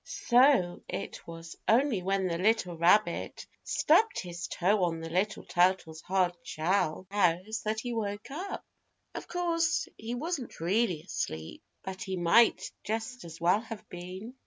So it was only when the little rabbit stubbed his toe on the little turtle's hard shell house that he woke up. Of course he wasn't really asleep, but he might just as well have been.